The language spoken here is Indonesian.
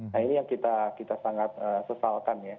nah ini yang kita sangat sesalkan ya